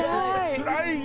つらいよ！